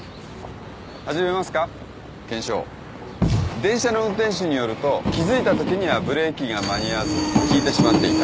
電車の運転手によると気付いたときにはブレーキが間に合わずひいてしまっていた。